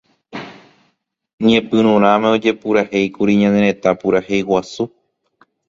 Ñepyrũrãme ojepurahéikuri Ñane Retã Purahéi Guasu.